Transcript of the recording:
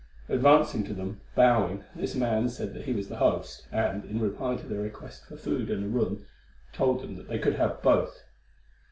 Advancing to them, bowing, this man said that he was the host, and, in reply to their request for food and a room, told them that they could have both.